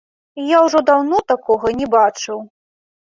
Я ўжо даўно такога не бачыў!